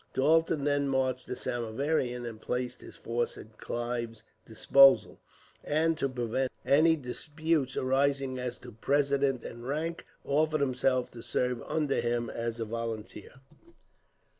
Dalton then marched to Samieaveram, and placed his force at Clive's disposal; and, to prevent any disputes arising as to precedence and rank, offered himself to serve under him as a volunteer.